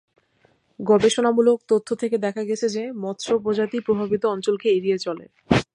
গবেষণামূলক তথ্য থেকে দেখা গেছে যে মৎস্য প্রজাতি প্রভাবিত অঞ্চলকে এড়িয়ে চলে।